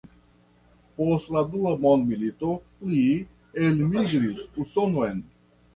Post la dua mondmilito li elmigris Usonon.